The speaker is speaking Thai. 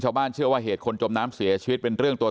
ชาวบ้านเชื่อว่าเหตุคนจมน้ำเสียชีวิตเป็นเรื่องตัว